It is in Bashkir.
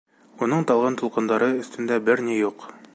Уның талғын тулҡындары өҫтөндә бер ни юҡ.